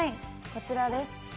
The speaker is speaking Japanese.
こちらです。